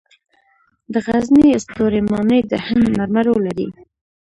د غزني ستوري ماڼۍ د هند مرمرو لري